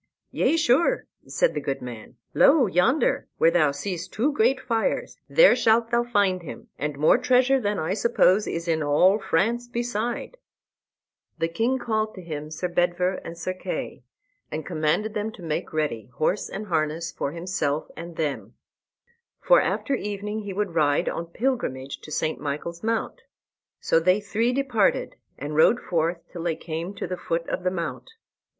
"Yea, sure," said the good man; "lo, yonder where thou seest two great fires, there shalt thou find him, and more treasure than I suppose is in all France beside." Then the king called to him Sir Bedver and Sir Kay, and commanded them to make ready horse and harness for himself and them; for after evening he would ride on pilgrimage to St. Michael's Mount. So they three departed, and rode forth till they came to the foot of the mount.